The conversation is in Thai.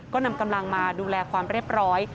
ก็นำกำลังมาดูแลความเรียบร้อย